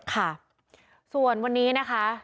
ค่ะส่วนวันนี้นะคะ